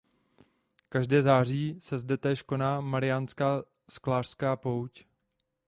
Každé září se zde též koná "Mariánská sklářská pouť".